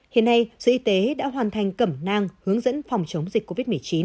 hiện nay giới y tế đã hoàn thành cẩm nang hướng dẫn phòng chống dịch covid một mươi chín